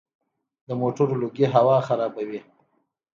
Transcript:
د موټرو لوګی هوا خرابوي.